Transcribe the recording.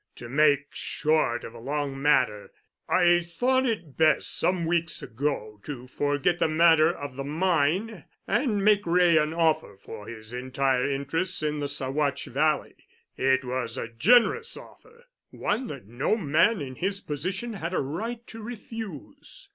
To make short of a long matter, I thought it best some weeks ago to forget the matter of the mine and make Wray an offer for his entire interests in the Saguache Valley. It was a generous offer, one that no man in his position had a right to refuse.